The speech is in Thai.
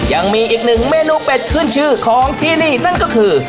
ยังมีอีกหนึ่งเมนูเป็ดขึ้นชื่อของที่นี่นั่นก็คือ